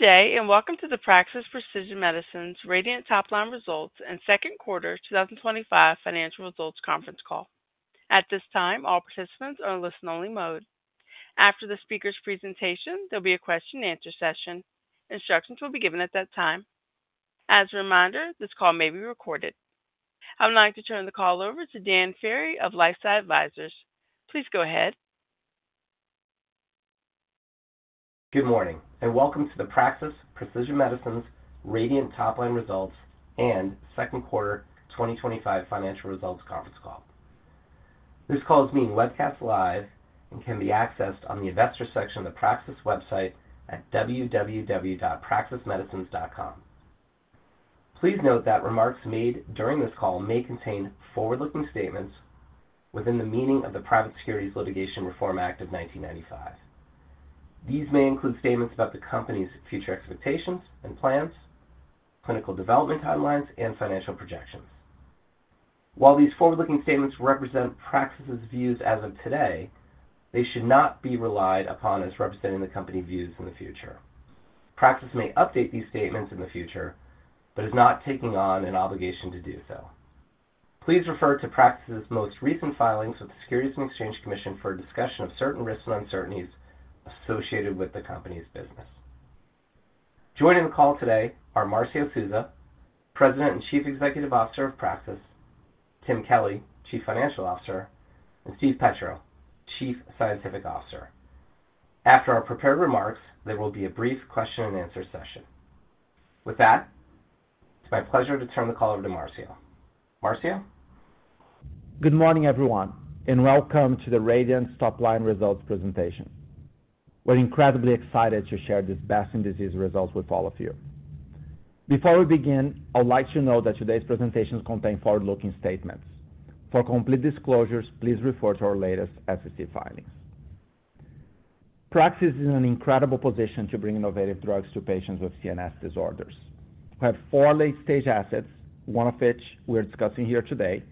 Good day and Welcome to the Praxis Precision Medicines RADIANT top line results and second quarter 2025 financial results conference call. At this time all participants are in listen only mode. After the speaker's presentation there will be a question and answer session. Instructions will be given at that time. As a reminder, this call may be recorded. I would like to turn the call over to Dan Ferry of LifeSci Advisors. Please go ahead. Good morning and Welcome to the Praxis Precision Medicines RADIANT top line results and second quarter 2025 financial results conference call. This call is being webcast live and can be accessed on the Investors section of the Praxis website at www.praxismedicines.com. Please note that remarks made during this call may contain forward looking statements within the meaning of the Private Securities Litigation Reform Act of 1995. These may include statements about the company's future expectations and plans, clinical development guidelines, and financial projections. While these forward looking statements represent Praxis views as of today, they should not be relied upon as representing the company views in the future. Praxis may update these statements in the future, but is not taking on an obligation to do so. Please refer to Praxis's most recent filings with the Securities and Exchange Commission for a discussion of certain risks and uncertainties associated with the company's business. Joining the call today are Marcio Souza, President and Chief Executive Officer of Praxis, Tim Kelly, Chief Financial Officer, and Steve Petrou, Chief Scientific Officer. After our prepared remarks, there will be a brief question and answer session. With that, it's my pleasure to turn the call over to Marcio. Marcio: Good morning everyone and Welcome to the RADIANT top line results presentation. We're incredibly excited to share this Best in disease results with all of you. Before we begin, I would like to note that today's presentations contain forward looking statements. For complete disclosures, please refer to our latest SEC filings. Praxis is in an incredible position to bring innovative drugs to patients with CNS disorders. We have four late stage assets, one of which we're discussing here today,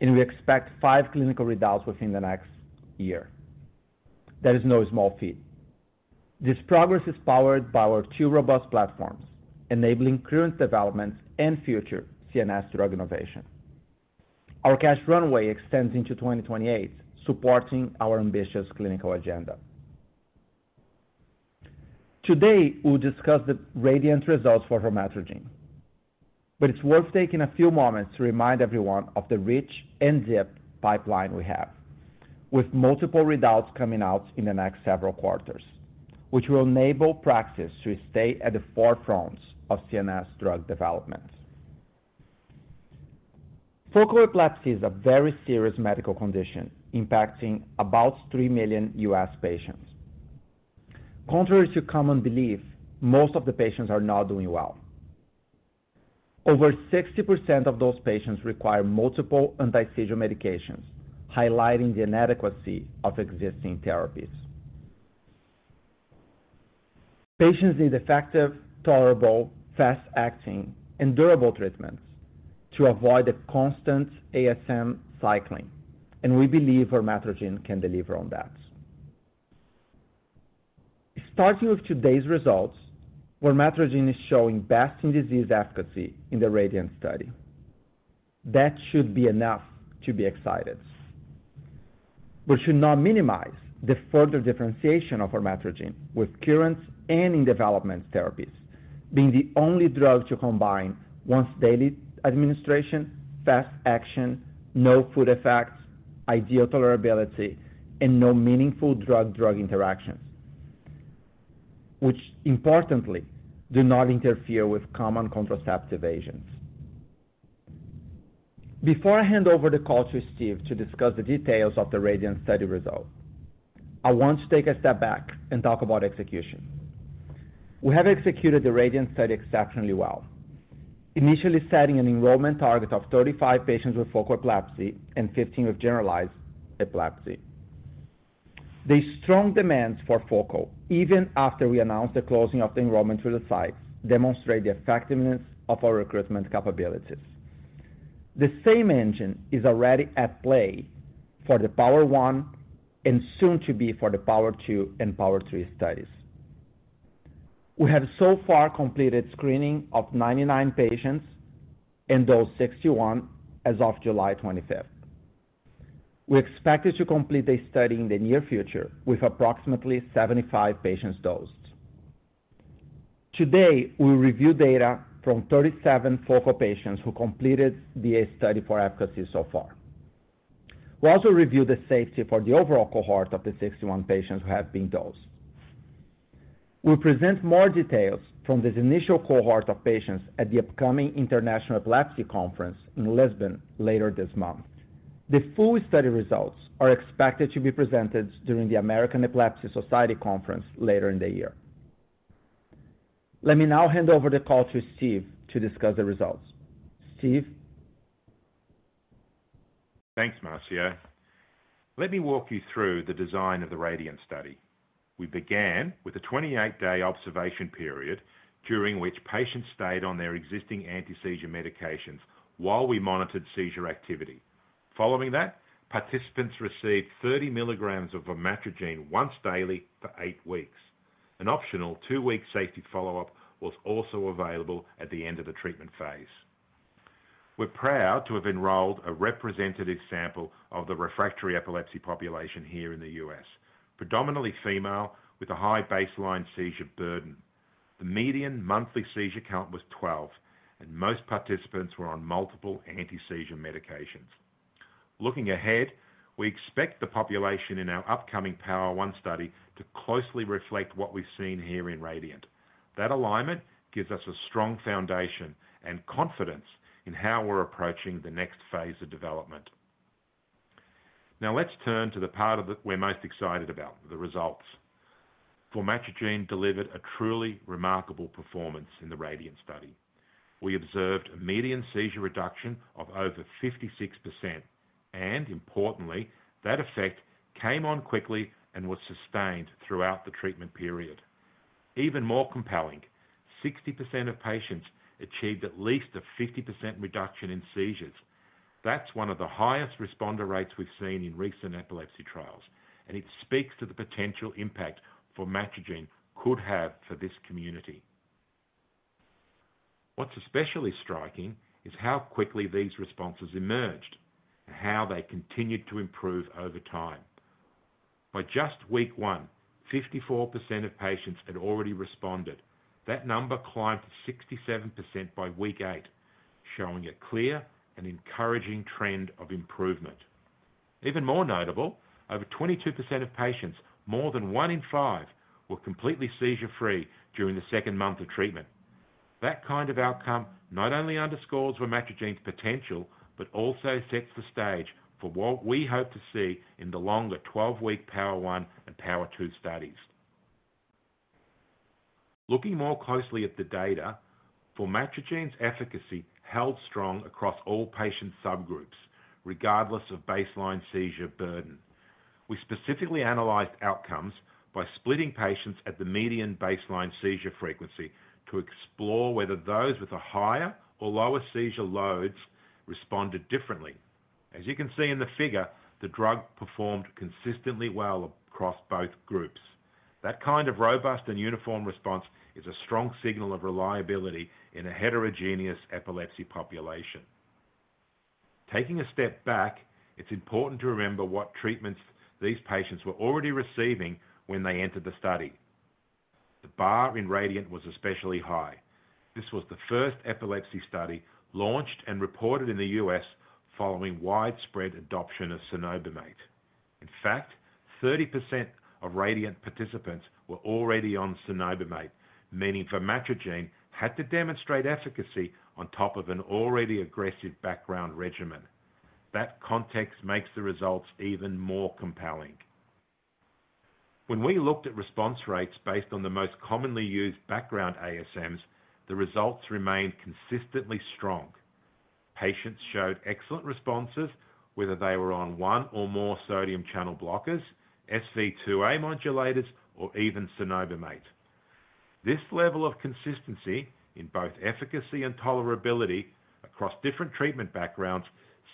and we expect five clinical readouts within the next year. That is no small feat. This progress is powered by our two robust platforms enabling current development and future CNS drug innovation. Our cash runway extends into 2028, supporting our ambitious clinical agenda. Today we'll discuss the RADIANT results for PRAX-562, but it's worth taking a few moments to remind everyone of the rich in depth pipeline we have with multiple readouts coming out in the next several quarters, which will enable Praxis to stay at the forefront of CNS drug development. Focal epilepsy is a very serious medical condition impacting about 3 million US patients. Contrary to common belief, most of the patients are not doing well. Over 60% of those patients require multiple anti-seizure medications, highlighting the inadequacy of existing therapies. Patients need effective, tolerable, fast-acting, and durable treatments to avoid a constant ASM cycling, and we believe PRAX-562 can deliver on that. Starting with today's results, PRAX-562 is showing best-in-disease efficacy in the RADIANT study. That should be enough to be excited. We should not minimize the further differentiation of PRAX-562 with current and in-development therapies, being the only drug to combine once-daily administration, fast action, no food effects, ideal tolerability, and no meaningful drug-drug interactions, which importantly do not interfere with common contraceptive agents. Before I hand over the call to Steve to discuss the details of the RADIANT study result, I want to take a step back and talk about execution. We have executed the RADIANT study exceptionally well, initially setting an enrollment target of 35 patients with focal epilepsy and 15 with generalized epilepsy. The strong demand for focal, even after we announced the closing of the enrollment through the site, demonstrates the effectiveness of our recruitment capability. The same engine is already at play for the POWER1 and soon to be for the POWER2 and POWER3 studies. We have so far completed screening of 99 patients and dosed 61 as of July 25th. We expect to complete the study in the near future with approximately 75 patients dosed. Today we review data from 37 focal patients who completed the [ACE] study for efficacy so far. We also review the safety for the overall cohort of the 61 patients who have been dosed. We present more details from this initial cohort of patients at the upcoming International Epilepsy Conference in Lisbon later this month. The full study results are expected to be presented during the American Epilepsy Society Conference later in the year. Let me now hand over the call to Steve to discuss the results. Steve. Thanks Marcio. Let me walk you through the design of the RADIANT study. We began with a 28-day observation period during which patients stayed on their existing anti-seizure medications while we monitored seizure activity. Following that, participants received 30 milligrams of PRAX-562 once daily for eight weeks. An optional two-week safety follow-up was also available at the end of the treatment phase. We're proud to have enrolled a representative sample of the refractory epilepsy population here in the U.S., predominantly female with a high baseline seizure burden. The median monthly seizure count was 12 and most participants were on multiple anti-seizure medications. Looking ahead, we expect the population in our upcoming POWER1 study to closely reflect what we've seen here in RADIANT. That alignment gives us a strong foundation and confidence in how we're approaching the next phase of development. Now let's turn to the part we're most excited about. The results PRAX-562 delivered a truly remarkable performance. In the RADIANT study, we observed a median seizure reduction of over 56% and, importantly, that effect came on quickly and was sustained throughout the treatment period. Even more compelling, 60% of patients achieved at least a 50% reduction in seizures. That's one of the highest responder rates we've seen in recent epilepsy trials and it speaks to the potential impact PRAX-562 could have for this community. What's especially striking is how quickly these responses emerged and how they continued to improve over time. By just week one, 54% of patients had already responded. That number climbed to 67% by week eight, showing a clear and encouraging trend of improvement. Even more notable, over 22% of patients, more than one in five, were completely seizure-free during the second month of treatment. That kind of outcome not only underscores PRAX-562's potential, but also sets the stage for what we hope to see in the longer 12-week POWER1 and POWER2 studies. Looking more closely at the data, PRAX-562's efficacy held strong across all patient subgroups, regardless of baseline seizure burden. We specifically analyzed outcomes by splitting patients at the median baseline seizure frequency to explore whether those with a higher or lower seizure loads responded differently. As you can see in the figure, the drug performed consistently well across both groups. That kind of robust and uniform response is a strong signal of reliability in a heterogeneous epilepsy population. Taking a step back, it's important to remember what treatments these patients were already receiving when they entered the study. The bar in RADIANT was especially high. This was the first epilepsy study launched and reported in the U.S. following widespread adoption of cenobamate. In fact, 30% of RADIANT participants were already on cenobamate, meaning PRAX-562 had to demonstrate efficacy on top of an already aggressive background regimen. That context makes the results even more compelling. When we looked at response rates based on the most commonly used background ASMs, the results remained consistently strong. Patients showed excellent responses whether they were on one or more sodium channel blockers, SV2A modulators, or even cenobamate. This level of consistency in both efficacy and tolerability across different treatment backgrounds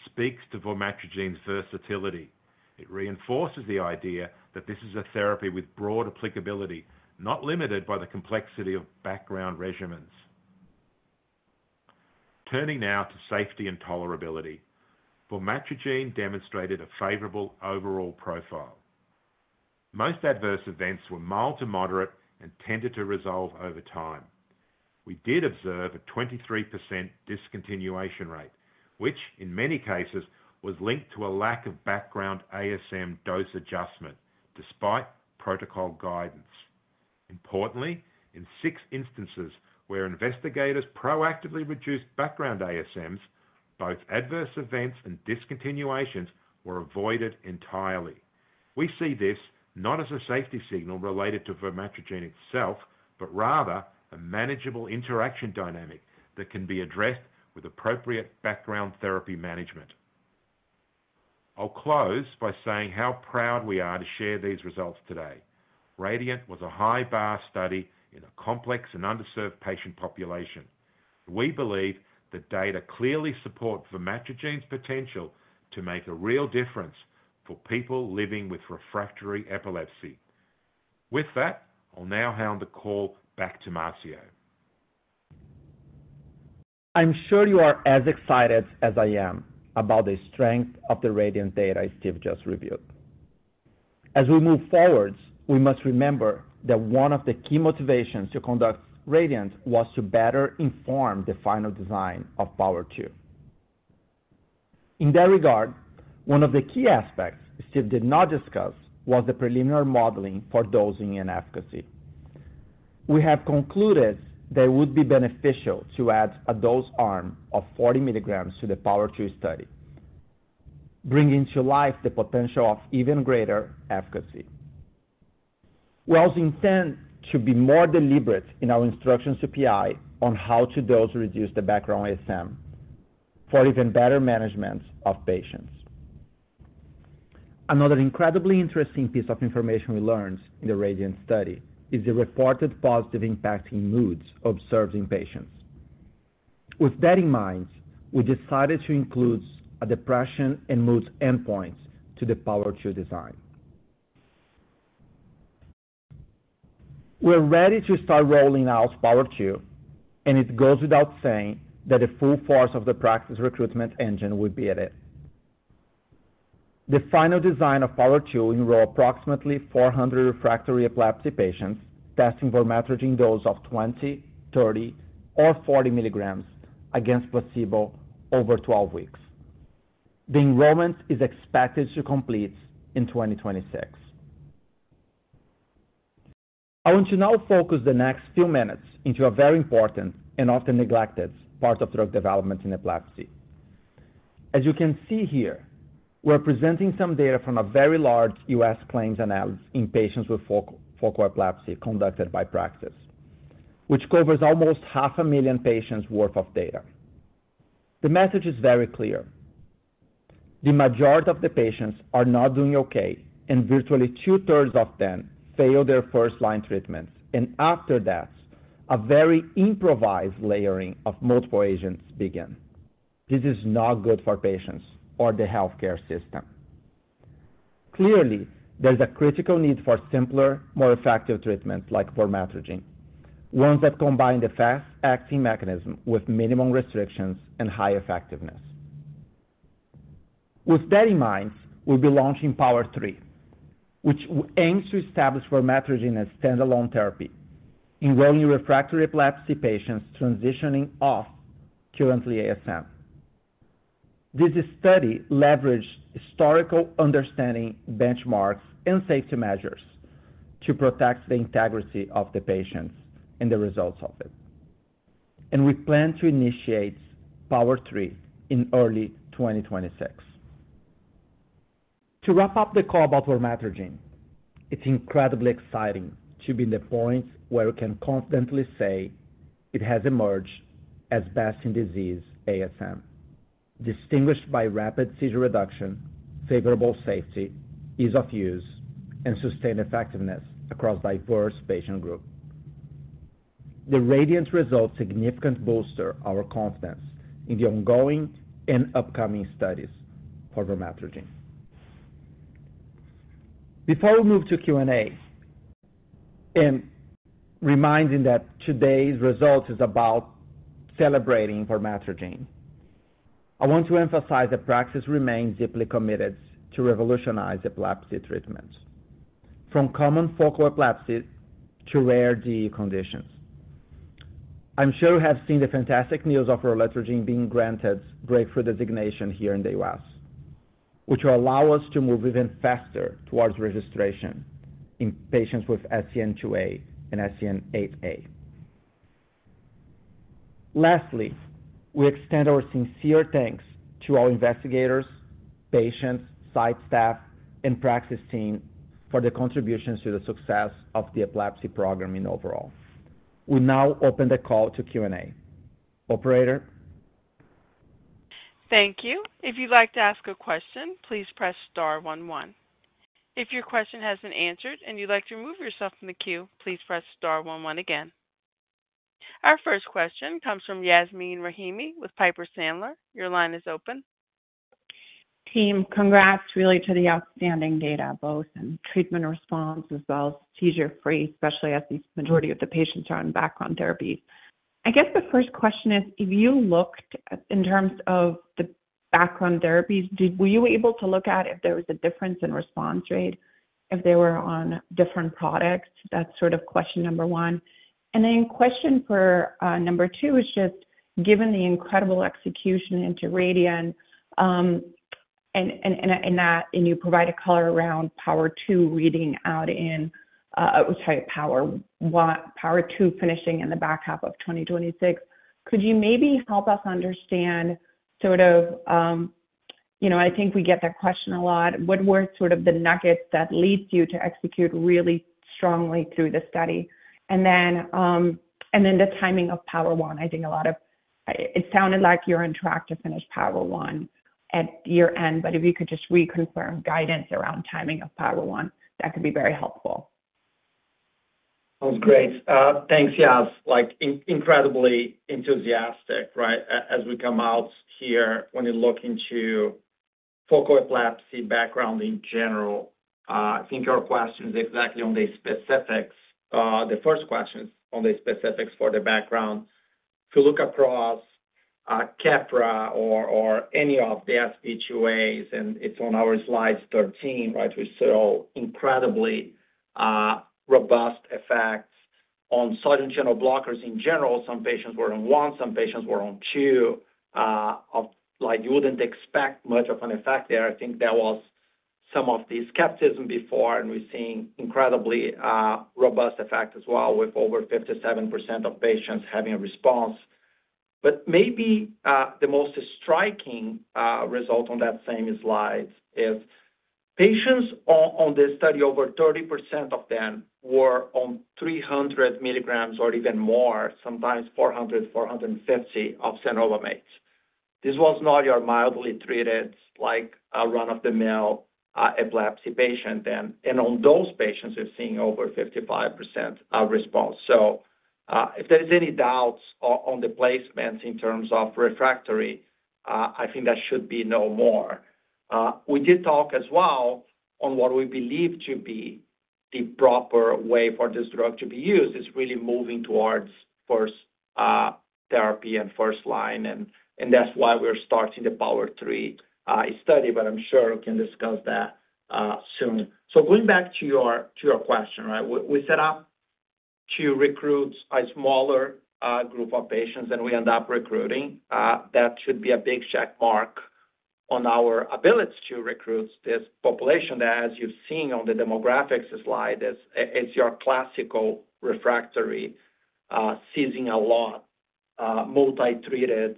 speaks to PRAX-562's versatility. It reinforces the idea that this is a therapy with broad applicability, not limited by the complexity of background regimens. Turning now to safety and tolerability, PRAX-562 demonstrated a favorable overall profile. Most adverse events were mild to moderate and tended to resolve over time. We did observe a 23% discontinuation rate, which in many cases was linked to a lack of background ASM dose adjustment despite protocol guidance. Importantly, in six instances where investigators proactively reduced background ASMs, both adverse events and discontinuations were avoided entirely. We see this not as a safety signal related to PRAX-562 itself, but rather a manageable interaction dynamic that can be addressed with appropriate background therapy management. I'll close by saying how proud we are to share these results today. RADIANT was a high bar study in a complex and underserved patient population. We believe the data clearly support PRAX-562's potential to make a real difference for people living with refractory epilepsy. With that, I'll now hand the call back to Marcio. I'm sure you are as excited as I am about the strength of the RADIANT data Steve just reviewed. As we move forward, we must remember that one of the key motivations to conduct RADIANT was to better inform the final design of POWER2. In that regard, one of the key aspects Steve did not discuss was the preliminary modeling for dosing and efficacy. We have concluded that it would be beneficial to add a dose arm of 40 milligrams to the POWER2 study, bringing to life the potential of even greater efficacy. We also intend to be more deliberate in our instruction to CPI on how to dose reduce the background ASM for even better management of patients. Another incredibly interesting piece of information we learned in the RADIANT study is the reported positive impact in moods observed in patients. With that in mind, we decided to include depression and mood endpoints to the POWER2 design. We're ready to start rolling out POWER2 and it goes without saying that the full force of the Praxis recruitment engine would be at it. The final design of POWER2 will enroll approximately 400 refractory epilepsy patients testing PRAX-562 doses of 20 milligrams, 30milligrams, or 40 milligrams against placebo over 12 weeks. The enrollment is expected to complete in 2026. I want to now focus the next few minutes into a very important and often neglected aspect of drug development in epilepsy. As you can see here, we're presenting some data from a very large U.S. claims analysis in patients with focal epilepsy conducted by Praxis, which covers almost half a million patients' worth of data. The message is very clear. The majority of the patients are not doing okay and virtually 2/3 of them fail their first-line treatments and after that a very improvised layering of multiple agents begins. This is not good for patients or the healthcare system. Clearly there's a critical need for simpler, more effective treatment like PRAX-562, ones that combine the fast-acting mechanism with minimum restrictions and high effectiveness. With that in mind, we'll be launching POWER3 which aims to establish PRAX-562 as standalone therapy enrolling refractory epilepsy patients transitioning off currently used ASM. This study leveraged historical understanding, benchmarks, and safety measures to protect the integrity of the patient and the results of it. We plan to initiate POWER3 in early 2026 to wrap up the call about PRAX-562. It's incredibly exciting to be at the point where we can confidently say it has emerged as Best-in-disease ASM, distinguished by rapid seizure reduction, favorable safety, ease of use, and sustained effectiveness across diverse patient groups. The RADIANT study results significantly bolster our confidence in the ongoing and upcoming studies for PRAX-562. Before we move to Q&A, and reminding that today's result is about celebrating PRAX-562, I want to emphasize that Praxis remains deeply committed to revolutionizing epilepsy treatment from common focal epilepsy to rare DEE conditions. I'm sure you have seen the fantastic news of relutrigine being granted breakthrough designation here in the U.S., which will allow us to move even faster towards registration in patients with SCN2A and SCN8A. Lastly, we extend our sincere thanks to our investigators, patients, site staff, and Praxis team for the contributions to the success of the epilepsy program overall. We now open the call to Q&A, operator. Thank you. If you'd like to ask a question, please press star one one. If your question has been answered and you'd like to remove yourself from the queue, please press star one one again. Our first question comes from Yasmeen Rahimi with Piper Sandler. Your line is open. Team, congrats really to the outstanding data, both in treatment response as well as seizure-free, especially as the majority of the patients are on background therapy. I guess the first question is, if you looked in terms of the background therapies, were you able to look at if there was a difference in response rate if they were on different products, that's sort of question number one. The question for number two is just given the incredible execution into RADIANT and you provide a color around POWER2 reading out in which I POWER2 finishing in the back half of 2026, could you maybe help us understand sort of, you know, I think we get that question a lot. What were sort of the nuggets that leads you to execute really strongly through the study and then the timing of POWER1. I think a lot of it sounded like you're interactive finish POWER1 at year end. If you could just reconfirm guidance around timing of POWER1, that could be very helpful. Sounds great. Thanks, Yas. Like incredibly enthusiastic. Right. As we come out here, when you look into focal epilepsy background in general, I think your question is exactly on the specifics. The first question on the specifics for the background. If you look across Keppra or any of the SV2A's and it's on our slide 13. Right. We saw incredibly robust effects on sodium channel blockers in general. Some patients were on one, some patients were on two. You wouldn't expect much of an effect there. I think that was some of the skepticism before. We're seeing incredibly robust effect as well with over 57% of patients having a response. Maybe the most striking result on that same slide is patients on this study, over 30% of them were on 300 milligrams or even more, sometimes 400 milligrams, 450 milligrams of cenobamate. This was not your mildly treated like a run of the mill epilepsy patient. On those patients we've seen over 55% response. If there is any doubts on the placements in terms of refractory, I think that should be no more. We did talk as well on what we believe to be the proper way for this drug to be used. It's really moving towards first therapy and first line and that's why we're starting the POWER3 study. I'm sure we can discuss that soon. Going back to your question, right. We set up to recruit a smaller group of patients and we end up recruiting. That should be a big check mark on our ability to recruit this population. As you've seen on the demographics slide, it's your classical refractory seizing a lot multi treated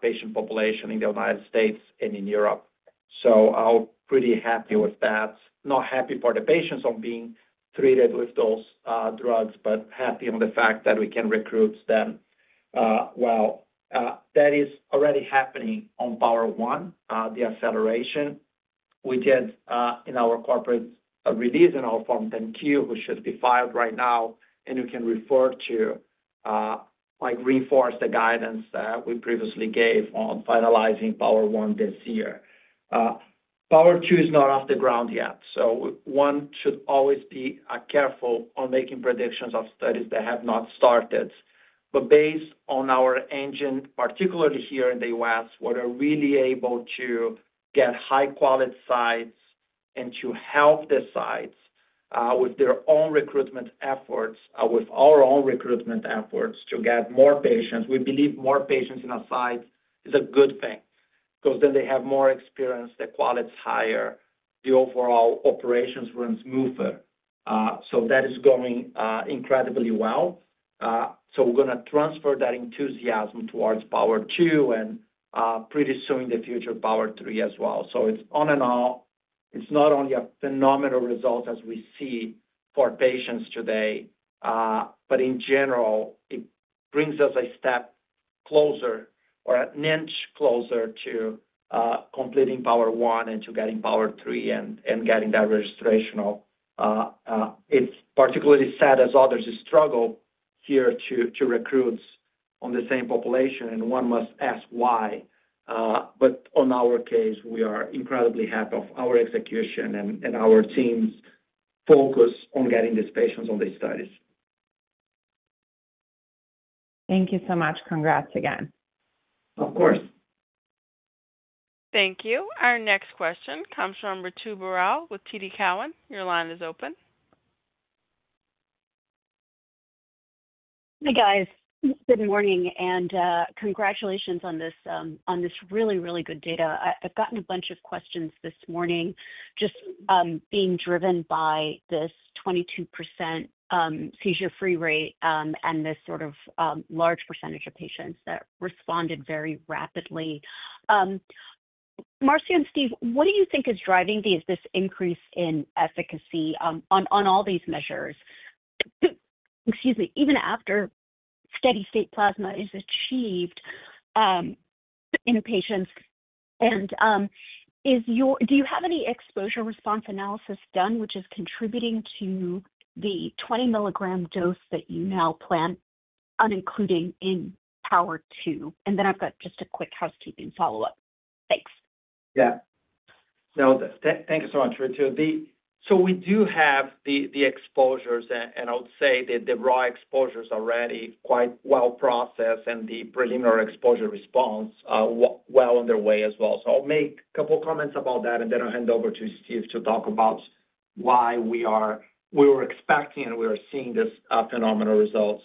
patient population in the U.S. and in Europe. I'm pretty happy with that. Not happy for the patients on being treated with those drugs, but happy on the fact that we can recruit them. That is already happening on POWER1. The acceleration we did in our corporate release in our Form 10-Q which should be filed right now and you can refer to like reinforce the guidance that we previously gave on finalizing POWER1 this year. POWER2 is not off the ground yet, so one should always be careful on making predictions of studies that have not started. Based on our engine, particularly here in the U.S., what are really able to get high quality sites and to help the sites with their own recruitment efforts, with our own recruitment efforts to get more patients. We believe more patients in a site is a good thing because then they have more experience, the quality is higher, the overall operations run smoother. That is going incredibly well. We are going to transfer that enthusiasm towards POWER2 and pretty soon in the future POWER3 as well. It is on and off. It is not only a phenomenal result as we see for patients today, but in general it brings us a step closer or an inch closer to completing POWER1 and to getting POWER3 and getting that registration. It is particularly sad as others struggle here to recruit on the same population. One must ask why. In our case, we are incredibly happy of our execution and our team's focus on getting these patients on these studies. Thank you so much. Congrats again. Of course. Thank you. Our next question comes from Ritu Baral with TD Cowen. Your line is open. Hey guys, good morning and congratulations on this, on this really, really good data. I've gotten a bunch of questions this morning, just being driven by this 22% seizure-free rate and this sort of large percentage of patients that responded very rapidly. Marcio and Steve, what do you think is driving this increase in efficacy on all these measures? Excuse me, even after steady state plasma is achieved in patients. Do you have any exposure response analysis done which is contributing to the 20 milligram dose that you now plan on including in POWER2? I've got just a quick housekeeping follow up. Thanks. Yeah, no, thank you so much. Ritu. We do have the exposures and I would say that the raw exposures are already quite well processed and the preliminary exposure response is well underway as well. I'll make a couple comments about that and then I'll hand over to Steve to talk about why we were expecting and we are seeing these phenomenal results.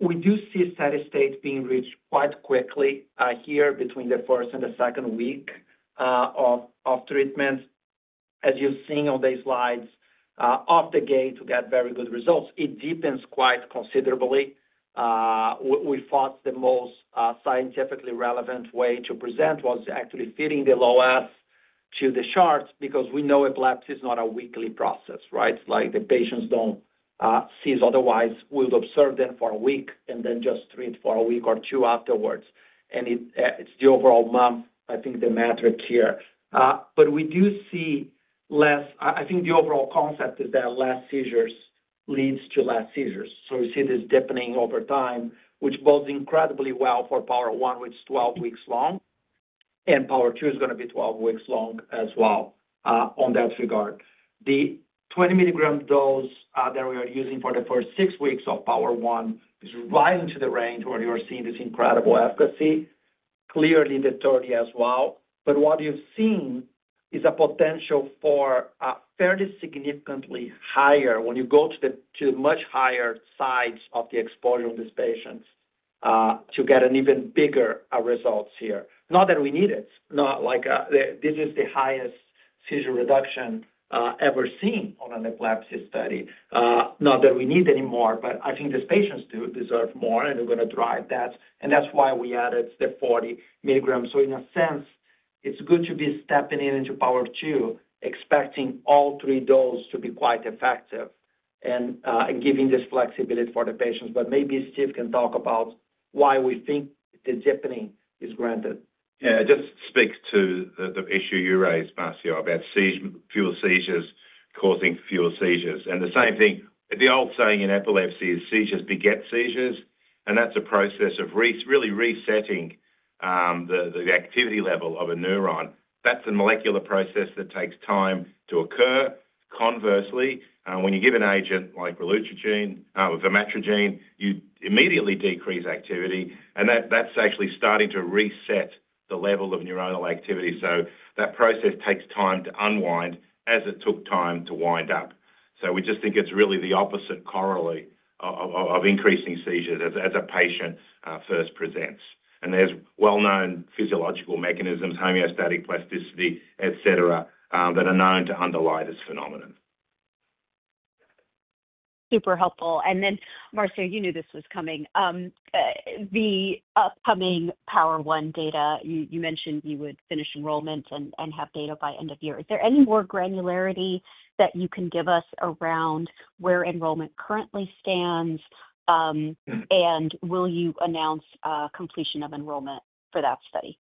We do see steady state being reached quite quickly here between the first and the second week of treatment. As you've seen, all these slides off the gate get very good results. It deepens quite considerably. We thought the most scientifically relevant way to present was actually feeding the loas to the charts because we know epilepsy is not a weekly process, right? The patients don't see. Otherwise, we would observe them for a week and then just treat for a week or two afterwards. It's the overall month, I think, the metric here. We do see less. I think the overall concept is that less seizures leads to less seizures. We see this deepening over time, which bodes incredibly well for POWER1, which is 12 weeks long. POWER2 is going to be 12 weeks long as well. On that regard, the 20 milligram dose that we are using for the first six weeks of POWER1 is right into the range where you're seeing this incredible efficacy, clearly the 30 milligram as well. What you've seen is a potential for a fairly significantly higher when you go to the two much higher sides of the exposure on these patients to get even bigger results here. Not that we need it. Not like this is the highest seizure reduction ever seen on an epilepsy study. Not that we need any more. I think these patients do deserve more and we're going to drive that. That's why we added the 40 milligrams. In a sense, it's going to be stepping in into POWER2, expecting all three doses to be quite effective and giving this flexibility for the patients. Maybe Steve can talk about why we think the jiponing is granted. Yeah, it just speaks to the issue you raised, Marcio, about fewer seizures causing fewer seizures. The same thing, the old saying in epilepsy is seizures beget seizures. That's a process of really resetting the activity level of a neuron. That's a molecular process that takes time to occur. Conversely, when you give an agent like PRAX-562, you immediately decrease activity and that's actually starting to reset the level of neuronal activity. That process takes time to unwind as it took time to wind up. We just think it's really the opposite corollary of increasing seizures as a patient first presents. There are well known physiological mechanisms, homeostatic plasticity, et cetera, that are known to underlie this phenomenon. Super helpful. Marcio, you knew this was coming. The upcoming POWER1 data, you mentioned you would finish enrollment and have data by end of year. Is there any more granularity that you can give us around where enrollment currently stands? Will you announce completion of enrollment for that study?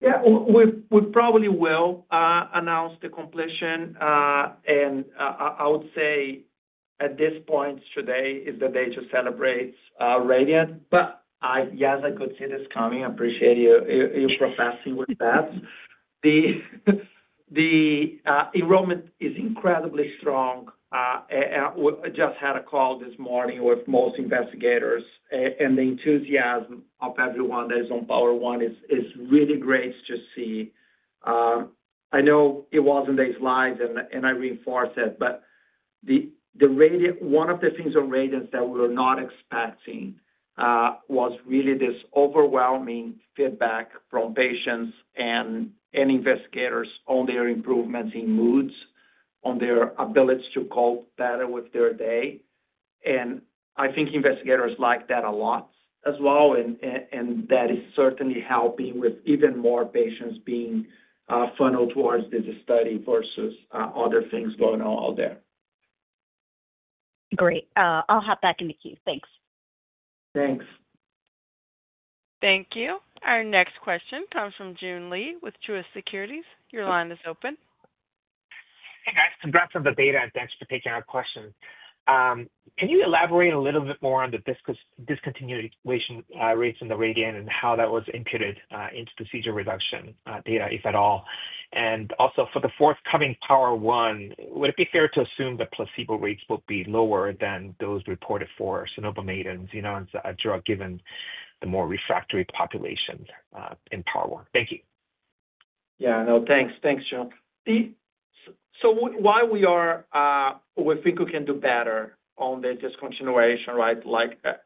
Yeah, we probably will announce the completion. I would say at this point today is the day to celebrate RADIANT. Yes, I could see this coming. I appreciate you prefacing with that. The enrollment is incredibly strong. I just had a call this morning with most investigators, and the enthusiasm of everyone that is on POWER1 is really great to see. I know it was in these lives and I reinforce it. One of the things on RADIANT that we were not expecting was really this overwhelming feedback from patients and investigators on their improvements in moods, on their ability to cope better with their day. I think investigators like that a lot as well. That is certainly helping with even more patients being funneled towards this study versus other things going on out there. Great. I'll hop back in the queue. Thanks. Thanks. Thank you. Our next question comes from Joon Lee with Truist Securities. Your line is open. Hey guys, congrats on the data and thanks for taking our questions. Can you elaborate a little bit more on the discontinuation rates in the RADIANT and how that was inputted into seizure reduction data, if at all, and also for the forthcoming POWER1, would it be fair to assume the placebo rates will be lower than those reported for cenobamate and [XEN1101], a drug given the more refractory population in POWER1? Thank you. Yeah, no, thanks. Thanks, Joon. We think we can do better on the discontinuation, right.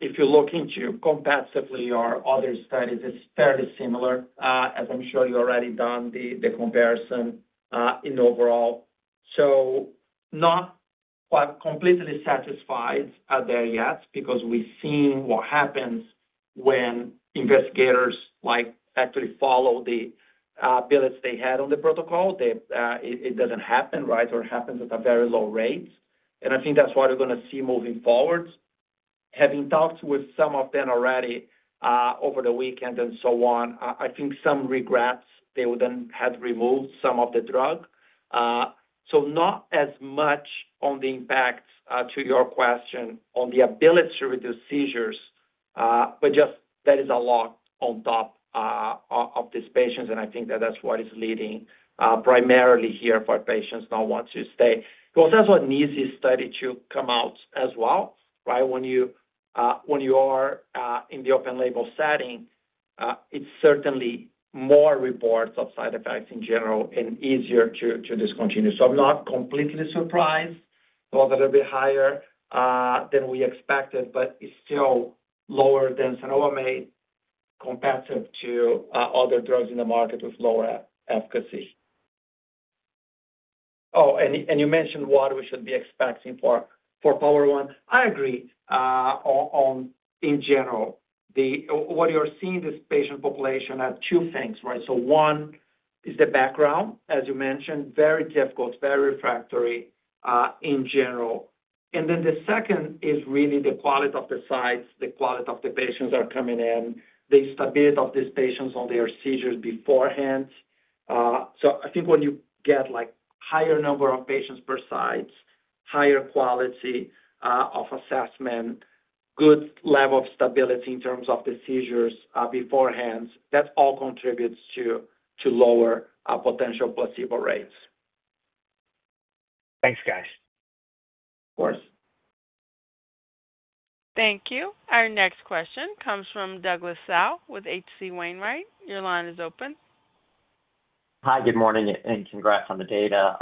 If you look into competitively or other studies, it's fairly similar as I'm sure you already done the comparison in overall, so not quite completely satisfied there yet because we've seen what happens when investigators actually follow the bullets they had on the protocol. It doesn't happen, right, or happens at a very low rate. I think that's what we're going to see moving forward. Having talked with some of them already over the weekend and so on, I think some regret they wouldn't have removed some of the drug. Not as much on the impact to your question on the ability to reduce seizures, but just that is a lot on top of these patients. I think that that's what is leading primarily here for patients not want to stay. That's what needs this study to come out as well. When you are in the open-label setting, it's certainly more reports of side effects in general and easier to discontinue. I'm not completely surprised. Was a little bit higher than we expected, but it's still lower than cenobamate comparative to other drugs in the market with lower efficacy. Oh, and you mentioned what we should be expecting for POWER1. I agree on. In general, what you're seeing, this patient population are two things, right. One is the background, as you mentioned, very difficult, very refractory in general. The second is really the quality of the sites, the quality of the patients are coming in, the stability of these patients on their seizures beforehand. I think when you get like higher number of patients per site, higher quality of assessment, good level of stability in terms of the seizures beforehand, that all contributes to lower potential placebo rates. Thanks. Of course. Thank you. Our next question comes from Douglas Tsao with H.C. Wainwright. Your line is open. Hi, good morning. Congrats on the data.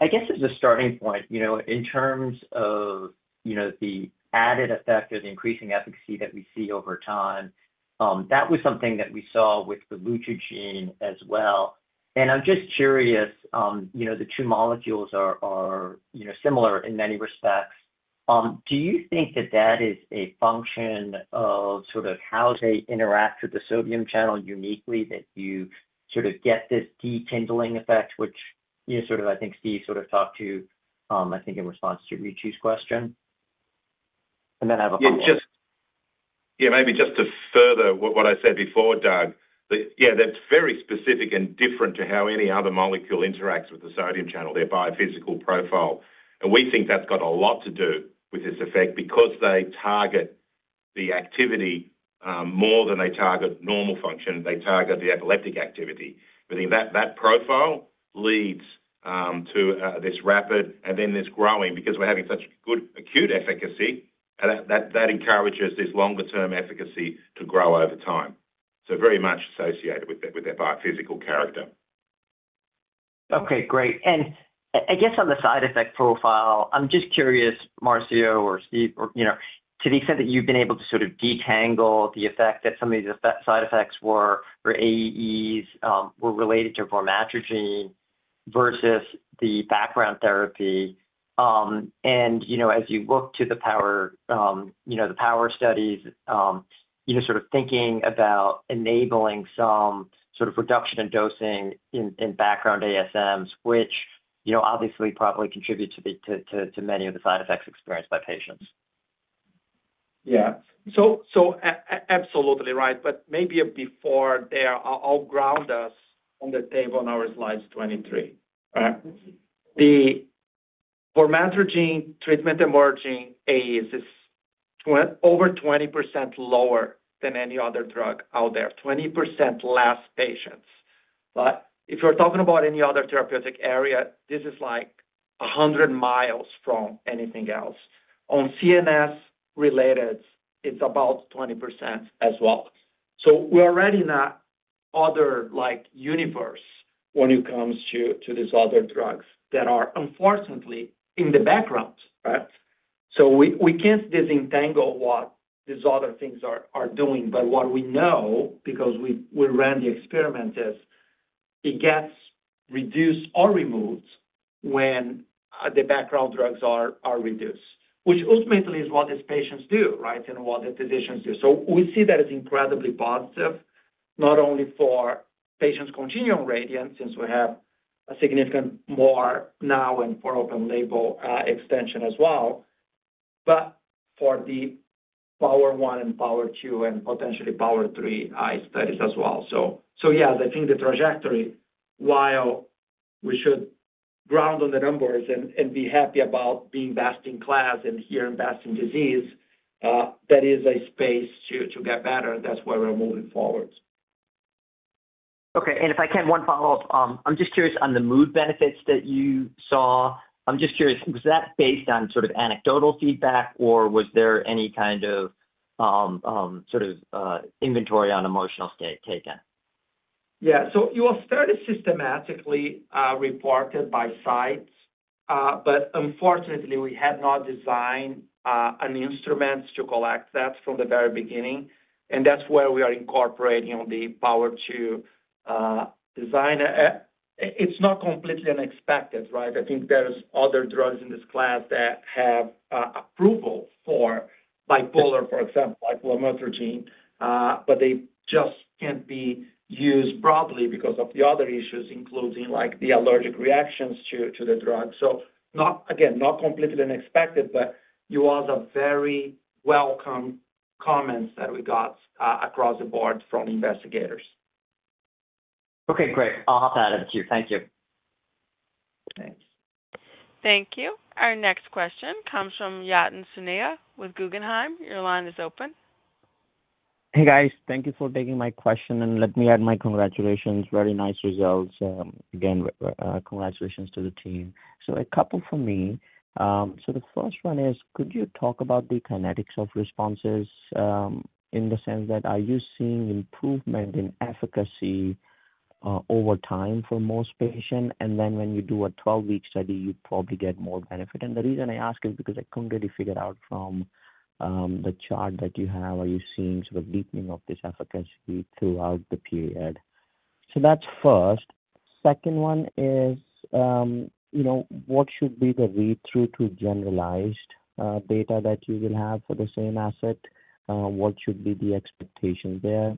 I guess as a starting point, in terms of the added effect of increasing efficacy that we see over time, that was something that we saw with the relutrigine as well. I'm just curious, the two molecules are similar in many respects. Do you think that is a function of how they interact with the sodium channel uniquely, that you get the de Kindling effect, which I think Steve talked to, I think in response to Ritu's question, and then have a—just. Maybe just to further what I said before, Doug. That's very specific and different to how any other molecule interacts with the sodium channel, their biophysical profile. We think that's got a lot to do with this effect because they target the activity more than they target normal function. They target the epileptic activity, and that profile leads to this rapid and then this growing because we're having such good acute efficacy that encourages this longer term efficacy to grow over time. Very much associated with their biophysical character. Okay, great. I guess on the side effect profile, I'm just curious, Marcio or Steve, to the extent that you've been able to sort of detangle the effect that some of the side effects or AEs were related to PRAX-562 versus the background therapy. As you look to the POWER studies, sort of thinking about enabling some sort of reduction in dosing in background ASMs, which obviously probably contribute to many of the side effects experienced by patients. Yeah, absolutely right. Maybe before that, I'll ground us on the table in our slides 23, the PRAX-562 treatment emerging is over 20% lower than any other drug out there, 20% less patients. If you're talking about any other therapeutic area, this is like 100 miles from anything else on CNS related, it's about 20% as well. We're already in that other universe when it comes to these other drugs that are unfortunately in the background. We can't disentangle what these other things are doing. What we know because we ran the experiment is it gets reduced or removed when the background drugs are reduced, which ultimately is what these patients do and what the physicians do. We see that as incredibly positive not only for patients continuing RADIANT, since we have a significant more now and for open label extension as well, but for the POWER1 and POWER2 and potentially POWER3 studies as well. So I think the trajectory, while we should ground on the numbers and be happy about being best in class and here in Best in disease, that is a space to get better. That's where we're moving forward. Okay. If I can, one follow up. I'm just curious on the mood benefits that you saw. I'm just curious, was that based on sort of anecdotal feedback or was there any kind of sort of inventory on emotional state taken? Yeah. It was systematically reported by sites, but unfortunately we had not designed an instrument to collect that from the very beginning. That's where we are incorporating on the POWER2 design. It's not completely unexpected, right. I think there's other drugs in this class that have approval for bipolar, e.g., [biplo metroidine], but they just can't be used broadly because of the other issues, including the allergic reactions to the drug. Not completely unexpected, but also very welcome comments that we got across the board from the investigators. Okay, great, I'll hop over to you. Thank you. Thank you. Our next question comes from Yatin Suneja with Guggenheim. Your line is open. Hey guys, thank you for taking my question and let me add my congratulations. Very nice results. Again, congratulations to the team. So a couple for me. The first one is could you talk about the kinetics of response in the sense that are you seeing improvement in efficacy over time for most patients and then when you do a 12 week study, you probably get more benefit. The reason I ask is because I couldn't get it figured out from the chart that you have. Are you seeing sort of deepening of this efficacy throughout the period? That's first. Second one is, you know what should be the read through to generalized data that you will have for the same asset. What should be the expectation there?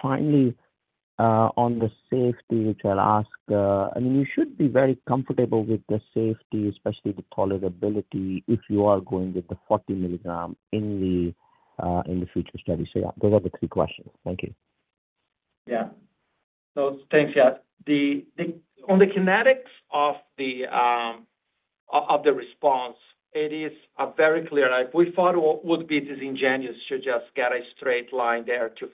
Finally on the safety, which I'll ask, I mean you should be very comfortable with the safety, especially the tolerability if you are going with the 40 milligram in the future study. Yeah, those are the three questions. Thank you. Yeah, thanks Yat. On the kinetics of the response it is very clear like we thought it would be disingenuous to just get a straight line there to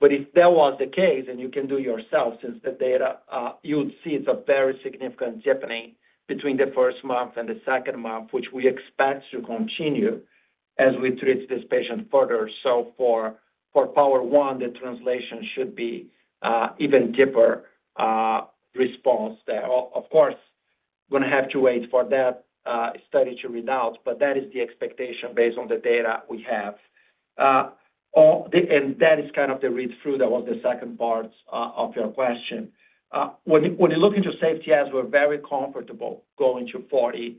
fit like a linear. If that was the case and you can do yourself, since the data you would see it's a very significant deepening between the first month and the second month, which we expect to continue as we treat this patient further. For POWER1, the translation should be even deeper response there. Of course we're going to have to wait for that study to read out. That is the expectation based on the data we have and that is kind of the read through. That was the second part of your question. When you look into safety as we're very comfortable going to 40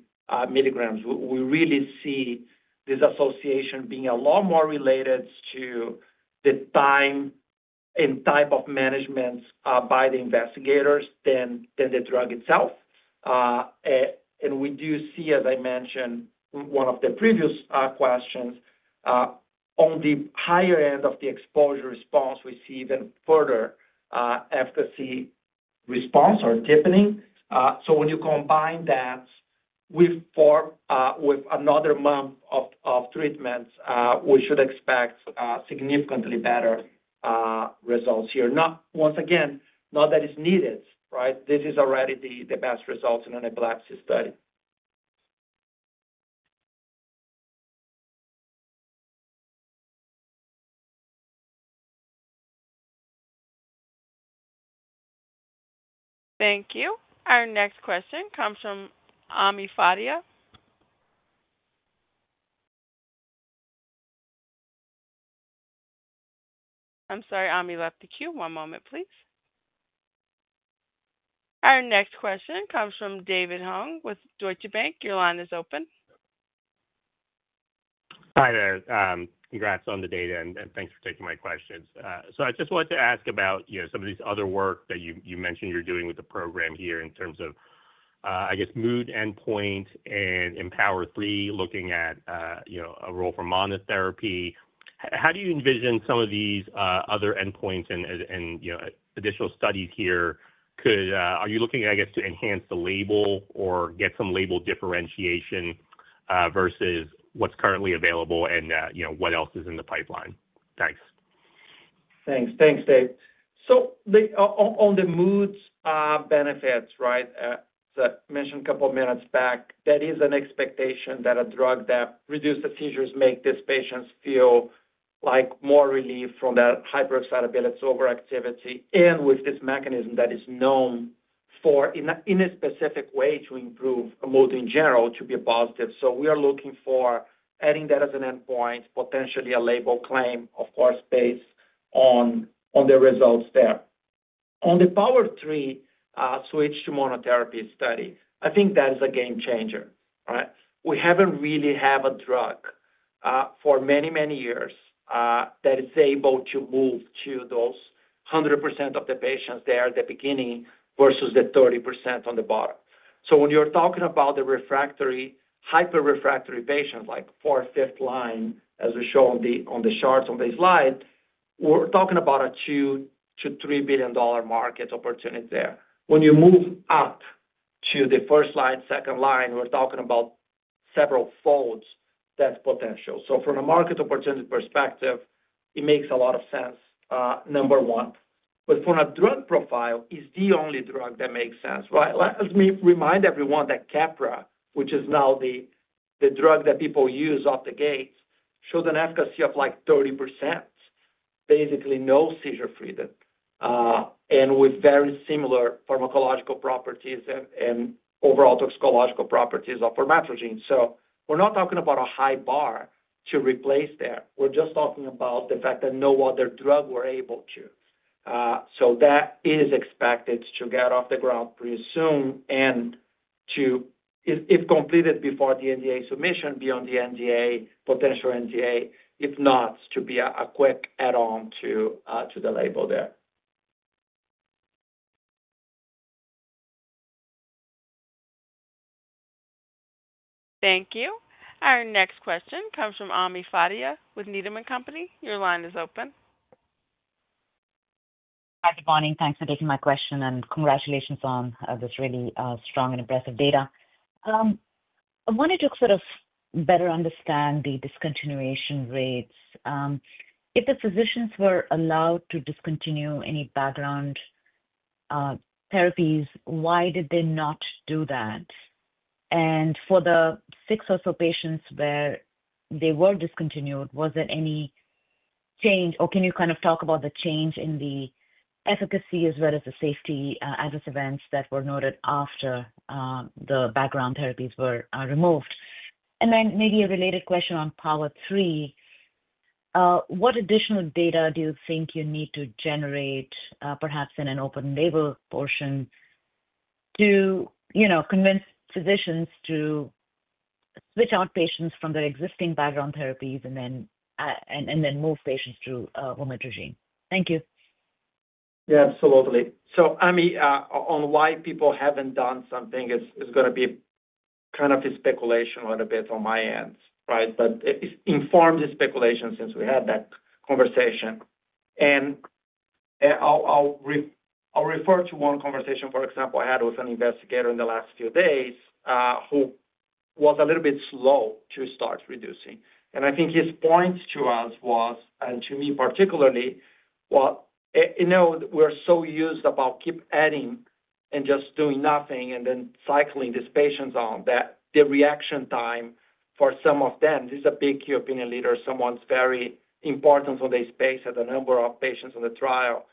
milligrams, we really see this association being a lot more related to the time and type of management by the investigators than the drug itself. We do see, as I mentioned one of the previous questions, on the higher end of the exposure response, we see even further efficacy response or deepening. When you combine that with another month of treatments, we should expect significantly better results here. Once again, not that it's needed. Right. This is already the best results in an epilepsy study. Thank you. Our next question comes from Ami Fadia. I'm sorry, Ami left the queue. One moment please. Our next question comes from David Hoang with Deutsche Bank. Your line is open. Hi there. Congrats on the data and thanks for taking my questions. I just wanted to ask about some of these other work that you. mentioned you're doing with the program here in terms of, I guess, mood endpoint and POWER3, looking at a role for monotherapy. How do you envision some of these other endpoints and additional studies here? Are you looking, I guess, to enhance? The label or get some label differentiation versus what's currently available, you know. What else is in the pipeline. Thanks, thanks. Thanks, Dave. On the mood benefits, right, that mentioned a couple of minutes back, that is an expectation that a drug that reduces the seizures makes these patients feel like more relief from that hyperoxyl pellets overactivity and with this mechanism that is known for in a specific way to improve mood in general to be positive. We are looking for adding that as an endpoint, potentially a label claim. Of course, based on the results there on the POWER3 switch to monotherapy study, I think that is a game changer. We haven't really had a drug for many, many years that is able to move to those 100% of the patients there at the beginning versus the 30% on the bottom. When you're talking about the refractory hyperrefractory patients, like fourth, fifth line, as we show on the charts on the slide, we're talking about a $2 million-$3 billion market opportunity there. When you move up to the first line, second line, we're talking about several folds. That's potential. From a market opportunity perspective, it makes a lot of sense, number one. From a drug profile, it is the only drug that makes sense. Let me remind everyone that Keppra, which is now the drug that people use off the gate, showed an efficacy of like 30%, basically no seizure freedom and with very similar pharmacological properties and overall toxicological properties of format regenerative. We're not talking about a high bar to replace that. We're just talking about the fact that no other drug was able to. That is expected to get off the ground pretty soon and to, if completed before the NDA submission, beyond the NDA, potential NDA, if not, to be a quick add on to the label there. Thank you. Our next question comes from Ami Fadia with Needham & Company. Your line is open. Hi, good morning. Thanks for taking my question and congratulations on this really strong and impressive data. I wanted to sort of better understand the discontinuation rates. If the physicians were allowed to discontinue any background therapies, why did they not do that? For the six or so patients where they were discontinued, was there any change? Can you kind of talk about the change in the efficacy as well as the safety adverse events that were noted after the background therapies were removed? Maybe a related question on POWER3. What additional data do you think you need to generate perhaps in an open label portion to convince physicians to switch out patients from their existing background therapies and then move patients through omit regime? Thank you. Yeah, absolutely. On why people haven't done something, it's going to be kind of a speculation a little bit on my end, right, but inform the speculation since we had that conversation. I'll refer to one conversation, for example, I had with an investigator in the last few days who was a little bit slow to start reducing. I think his point to us was, and to me particularly, you know, we're so used to just keep adding and just doing nothing and then cycling these patients on that the reaction time for some of them, this is a big key opinion leader, someone very important, so they space at the number of patients on the trial.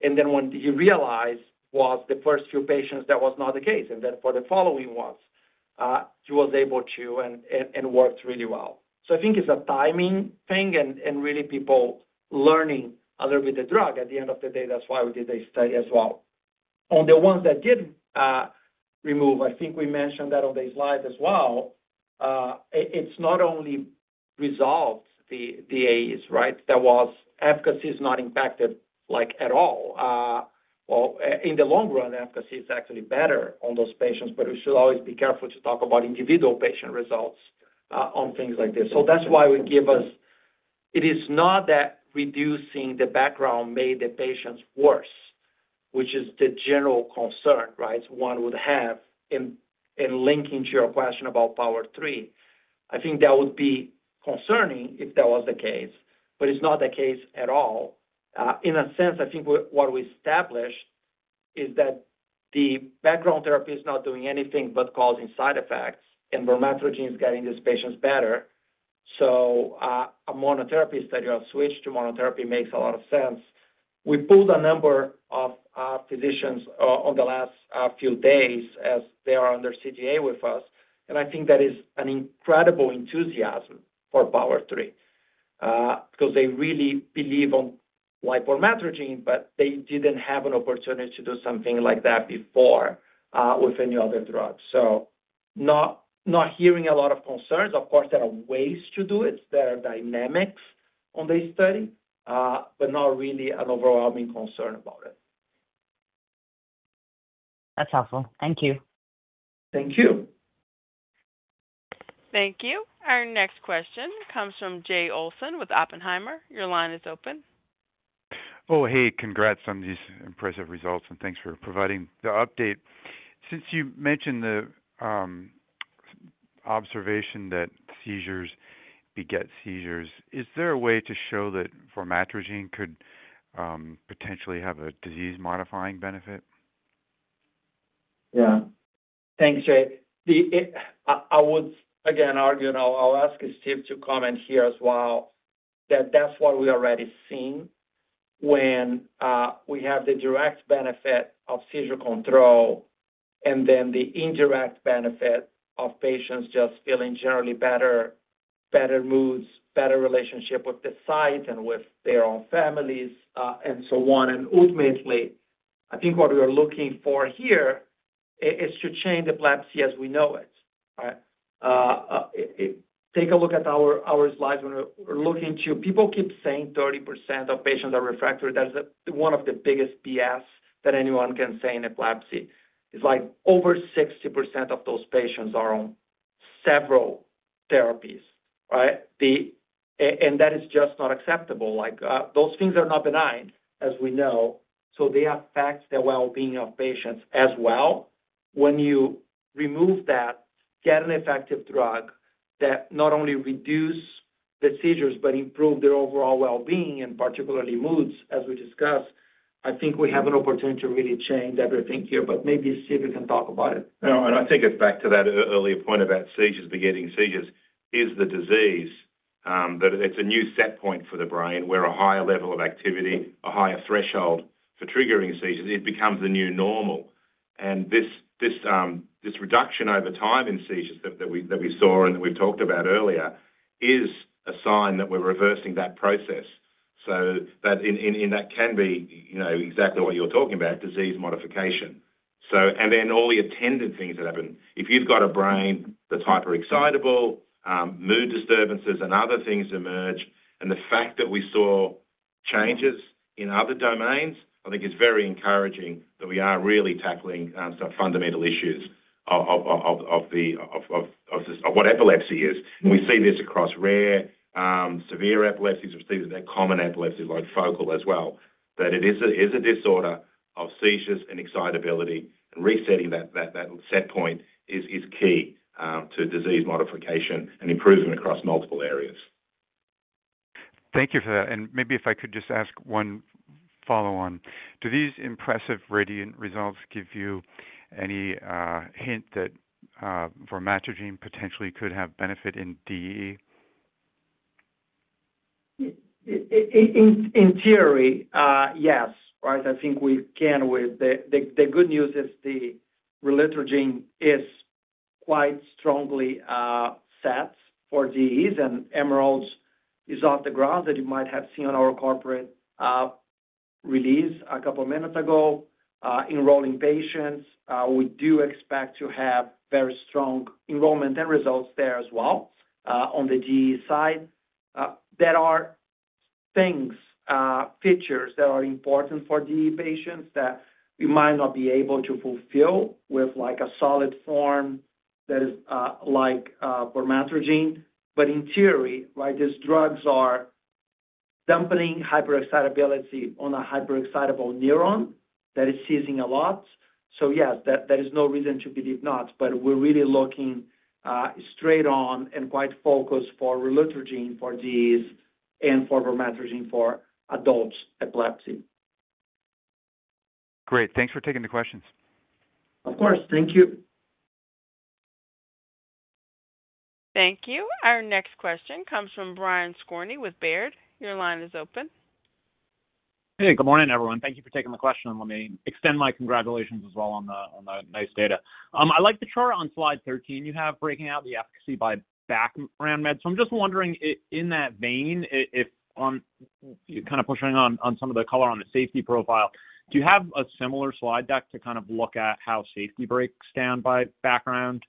When you realize with the first few patients that was not the case, then for the following ones he was able to and it worked really well. I think it's a timing thing and really people learning a little bit the drug at the end of the day. That's why we did this study as well. On the ones that did remove, I think we mentioned that on the slide as well, it's not only resolved the AEs, right, that was efficacy is not impacted like at all. In the long run efficacy is actually better on those patients. We should always be careful to talk about individual patient results on things like this. That's why we give us, it is not that reducing the background made the patients worse, which is the general concern, right. One would have in linking to your question about POWER3, I think that would be concerning if that was the case, but it's not the case at all in a sense. I think what we established is that the background therapy is not doing anything but causing side effects and PRAX-562 is getting these patients better. A monotherapy study of switch to monotherapy makes a lot of sense. We polled a number of physicians in the last few days as they are under CGA with us and I think there is incredible enthusiasm for POWER3 because they really believe in PRAX-562, but they didn't have an opportunity to do something like that before with any other drugs. Not hearing a lot of concerns. Of course there are ways to do it, there are dynamics on this study, but not really an overwhelming concern about it. That's helpful. Thank you. Thank you. Thank you. Our next question comes from Jay Olson with Oppenheimer. Your line is open. Oh, hey, congrats on these impressive results, and thanks for providing the update. Since you mentioned the. Observation that seizures beget seizures, is there a way to. Show that PRAX-562 could potentially have a disease modifying benefit? Yeah, thanks Jay. I would again argue, and I'll ask Steve to comment here as well, that that's what we've already seen when we have the direct benefit of seizure control and then the indirect benefit of patients just feeling generally better. Better moods, better relationship with the site and with their own families and so on. Ultimately, I think what we are looking for here is to change epilepsy as we know it. Take a look at our slides when we're looking at people. People keep saying 30% of patients are refractory. One of the biggest BS that anyone can say in epilepsy is like over 60% of those patients are on several therapies. Right. That is just not acceptable. Those things are not benign as we know, so they affect the well-being of patients as well. When you remove that, get an effective drug that not only reduces the seizures but improves their overall well-being and particularly moods as we discussed, I think we have an opportunity to really change everything here. Maybe Steve can talk about it. I think it's back to that earlier point about seizures. Begetting seizures is the disease that it's a new set point for the brain where a higher level of activity, a higher threshold for triggering seizures, becomes a new normal. This reduction over time in seizures that we saw and that we've talked about earlier is a sign that we're reversing that process. In that, it can be exactly what you're talking about, disease modification. All the attended things that happen if you've got a brain that's hyper excitable, mood disturbances and other things emerge. The fact that we saw changes in other domains, I think it's very encouraging that we are really tackling fundamental. Issues. Epilepsy is a disorder of seizures and excitability. We see this across rare severe epilepsies, and we see that common epilepsies like focal as well. Resetting that set point is key to disease modification and improvement across multiple areas. Thank you for that. Maybe if I could just ask one follow-on. Do these impressive RADIANT study results give you. Any hint that PRAX-562 potentially could have benefit in DEE? In theory, yes. Right. I think we can. The good news is the relutrigine is quite strongly set for GEs and Emerald is off the ground that you might have seen on our corporate release a couple minutes ago enrolling patients. We do expect to have very strong enrollment and results there as well. On the GE side there are things, features that are important for DE patients that you might not be able to fulfill with like a solid form that is like PRAX-562. In theory, right, these drugs are dampening hyperexcitability on a hyperexcitable neuron that is seizing a lot. There is no reason to believe not, but we're really looking straight on and quite focused for relutrigine for these and for PRAX-562 for adult epilepsy. Great. Thanks for taking the questions. Of course. Thank you. Thank you. Our next question comes from Brian Skorney with Baird. Your line is open. Hey, good morning everyone. Thank you for taking the question. Let me extend my congratulations as well on the nice data. I like the chart on slide 13 you have breaking out the efficacy by background med. I'm just wondering in that vein if kind of pushing on some of the color on the safety profile, do you have a similar slide deck to kind of look at how safety breaks down by background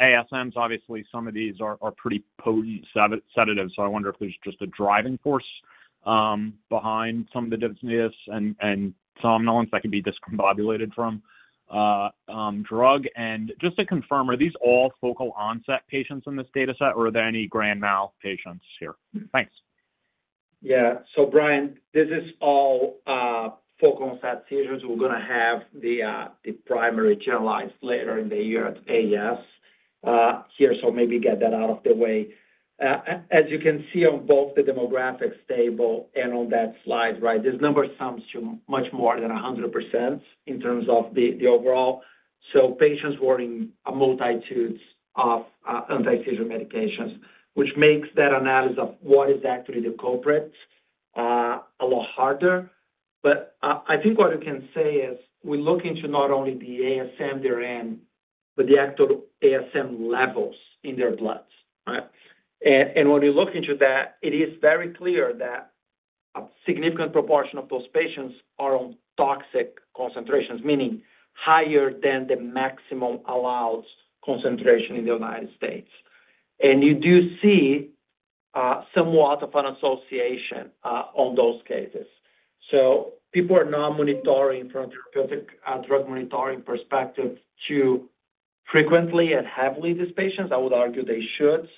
ASMs? Obviously, some of these are pretty potent sedatives, so I wonder if there's just a driving force behind some of the dystonias and some nons that can be discombobulated from drug. Just to confirm, are these all focal onset patients in this data set or are there any grand mal patients here? Thanks. Yeah, so Brian, this is all focal onset seizures. We're going to have the primary channelized later in the year at AES here, so maybe get that out of the way. As you can see on both the demographics table and on that slide, this number sums to much more than 100% in terms of the overall. Patients are wearing a multitude of anti-seizure medications, which makes that analysis of what is actually the culprit a lot harder. I think what I can say is we look into not only the ASM they're in, but the actual ASM levels in their blood. When you look into that, it is very clear that a significant proportion of those patients are on toxic concentrations, meaning higher than the maximum allowed concentration in the U.S. You do see somewhat of an association on those cases. People are not monitoring from drug monitoring perspective too frequently and heavily. These patients, I would argue they should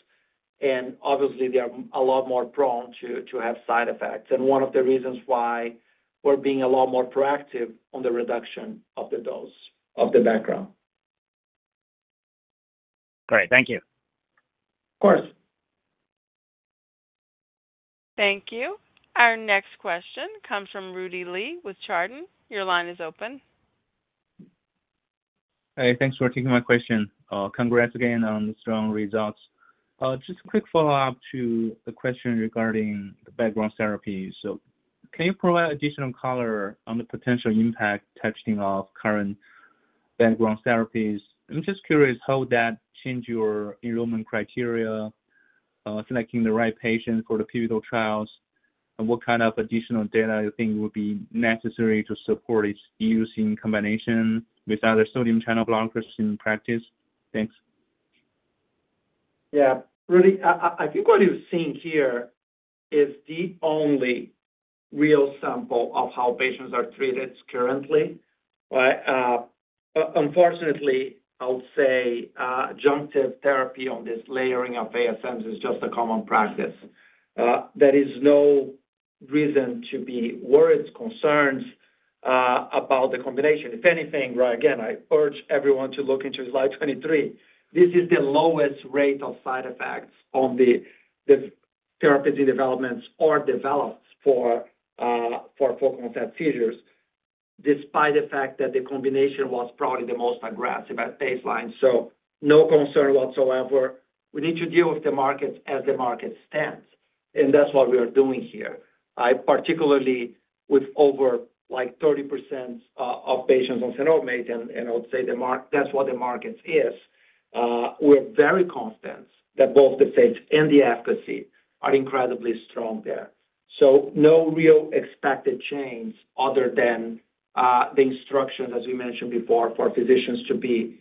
and obviously they are a lot more prone to have side effects. One of the reasons why we're being a lot more proactive on the reduction of the dose of the background. Great, thank you. Of course. Thank you. Our next question comes from Rudy Li with Chardan. Your line is open. Hey, thanks for taking my question. Congrats again on the strong results. Just a quick follow up to the question regarding background therapy. Can you provide additional color on the potential impact testing of current background therapies? I'm just curious how that impact changes your enrollment criteria selecting the right patient for the pivotal trials and what kind of additional data you think would be necessary to support its use in combination with other sodium channel blockers in practice. Thanks. I think what you're seeing here is the only real sample of how patients are treated currently. Unfortunately, I would say adjunctive therapy on this layering of ASMs is just a common practice. There is no reason to be worried. Concerns about the combination, if anything. Again, I urge everyone to look into slide 23. This is the lowest rate of side effects on the therapies in development or developed for focal onset seizures, despite the fact that the combination was probably the most aggressive at baseline. No concern whatsoever. We need to deal with the markets as the market stands and that's what we are doing here, particularly with over 30% of patients on cenobamate. I would say that's what the market is. We're very confident that both the safety and the efficacy are incredibly strong there. No real expected change other than the instruction, as we mentioned before, for physicians to be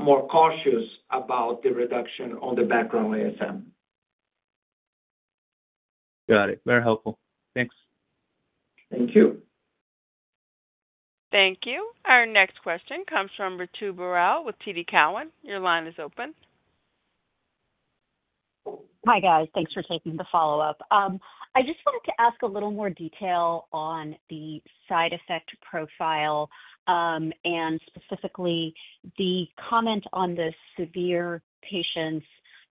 more cautious about the reduction on the background ASM. Got it. Very helpful, thanks. Thank you. Our next question comes from Ritu Baral with TD Cowen. Your line is open. Hi guys. Thanks for taking the follow up. I just wanted to ask a little more detail on the side effect profile and specifically the comment on the severe patients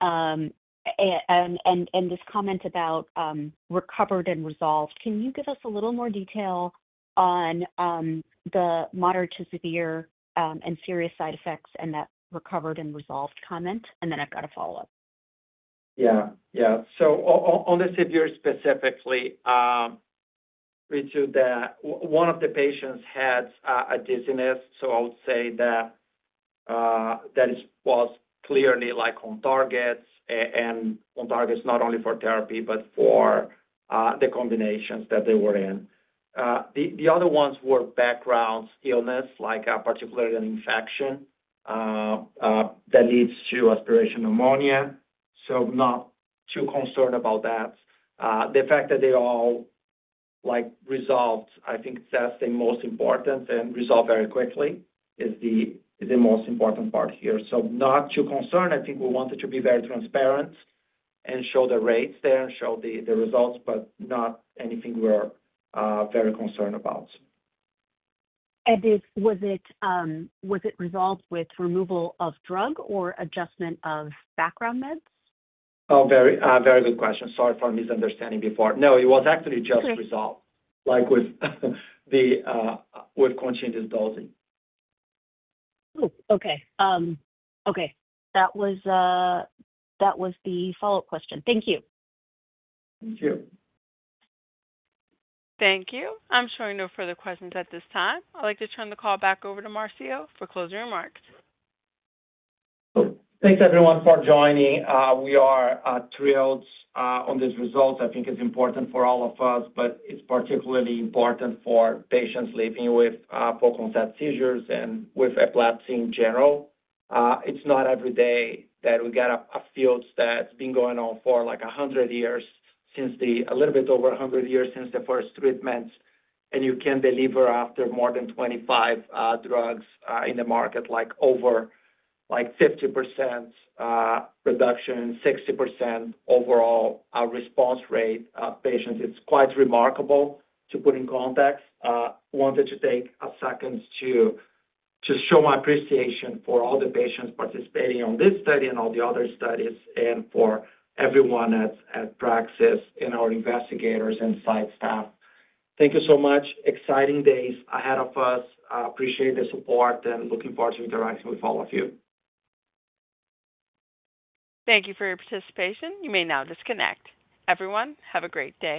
and this comment about recovered and resolved. Can you give us a little more detail on the moderate to severe and serious side effects and that recovered and resolved comment? I've got a follow up. Yeah, yeah. On the severe specifically, we do that. One of the patients had a dizziness. I would say that was clearly on target, and on target not only for therapy but for the combinations that they were in. The other ones were background illness, like particularly an infection that leads to aspiration pneumonia. Not too concerned about that. The fact that they all resolved, I think testing most important and resolved very quickly is the most important part here. Not too concerned. I think we want to be very transparent and show the rates there and show the results, but not anything we are very concerned about. Was it resolved with removal of drug or adjustment of background meds? Oh, very, very good question. Sorry for misunderstanding before. No, it was actually just resolved with conscientious dosing. Okay. That was the follow up question. Thank you. I'm showing no further questions at this time. I'd like to turn the call back over to Marcio for closing remarks. Thanks everyone for joining. We are thrilled on these results. I think it's important for all of us, but it's particularly important for patients living with focal seizures and with epilepsy in general. It's not every day that we got a field that's been going on for like 100 years, a little bit over 100 years since the first treatments, and you can deliver after more than 25 drugs in the market like over 50% reduction, 60% overall response rate patients. It's quite remarkable to put in context. Wanted to take a second to just show my appreciation for all the patients participating on this study and all the other studies and for everyone at Praxis and our investigators and site staff, thank you so much. Exciting days ahead of us. Appreciate the support and looking forward to interacting with all of you. Thank you for your participation. You may now disconnect, everyone. Have a great day.